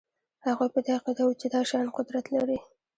هغوی په دې عقیده وو چې دا شیان قدرت لري